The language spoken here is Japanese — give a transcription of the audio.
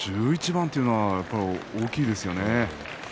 １１番というのは大きいですよね。